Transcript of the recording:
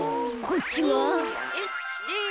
こっちは？